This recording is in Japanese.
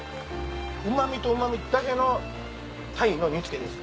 うまみとうまみだけの鯛の煮付けです。